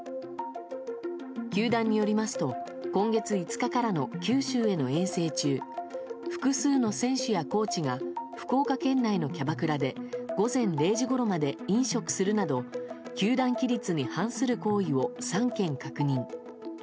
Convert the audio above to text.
球団によりますと今月５日からの九州への遠征中複数の選手やコーチが福岡県内のキャバクラで午前０時ごろまで飲食するなど球団規律に反する行為を３件確認。